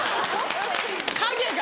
影が。